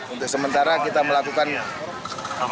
untuk sementara kita melakukan